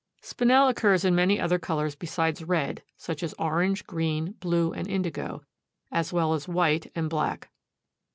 Spinel occurs in many other colors besides red, such as orange, green, blue and indigo, as well as white and black.